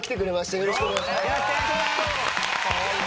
よろしくお願いします。